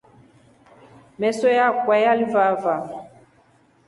Meso yakwa yalivava.